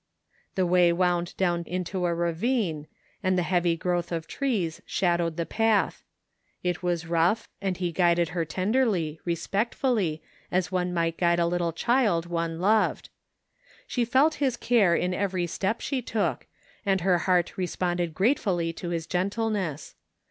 The way woimd down into a ravine, and the heavy growth of trees shadowed the path. It was rough and he guided her tenderly, respectfully, as one might guide a little child one loved. She felt his care in every step she took, and her heart responded gratefully to his gentleness.